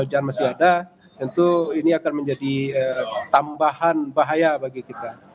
hujan masih ada tentu ini akan menjadi tambahan bahaya bagi kita